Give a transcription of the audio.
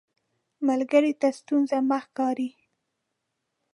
ملګری ته ستونزه مه ښکاري